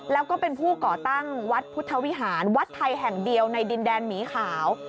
แล้วก็เป็นผู้ก่อตั้งวัดพุทธวิหารวัดไทยแห่งเดียวในดินแดนหมีขาว